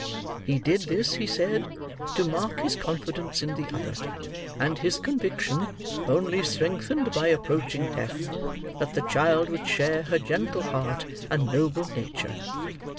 He did this, he said, to mark his confidence in the mother, and his conviction—only strengthened by approaching death—that the child would share her gentle heart, and noble nature.